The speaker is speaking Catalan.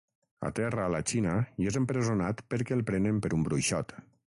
Aterra a la Xina i és empresonat perquè el prenen per un bruixot.